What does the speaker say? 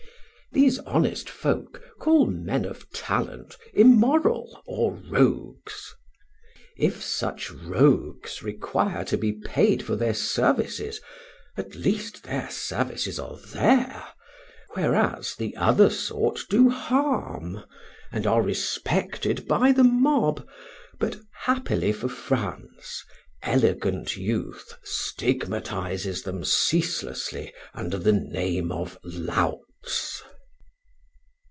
These honest folk call men of talent immoral or rogues. If such rogues require to be paid for their services, at least their services are there; whereas the other sort do harm and are respected by the mob; but, happily for France, elegant youth stigmatizes them ceaselessly under the name of louts.